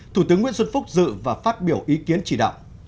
thủ tướng nguyễn xuân phúc dự và phát biểu ý kiến chỉ đạo